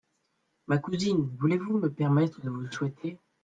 Ma cousine, voulez-vous me permettre de vous souhaiter ?…